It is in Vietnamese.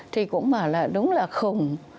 thì cũng bảo là đúng là khùng